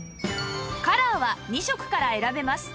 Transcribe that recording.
カラーは２色から選べます